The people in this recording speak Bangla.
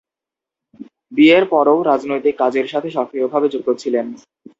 বিয়ের পরও রাজনৈতিক কাজের সাথে সক্রিয়ভাবে যুক্ত ছিলেন।